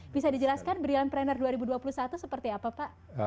bisa dijelaskan brilliantpreneur dua ribu dua puluh satu seperti apa pak